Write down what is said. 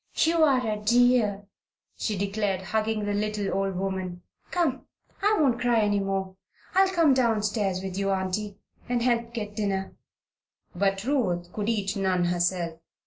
"You are a dear!" she declared, hugging the little old woman. "Come! I won't cry any more. I'll come down stairs with you, Auntie, and help get dinner." But Ruth could eat none herself.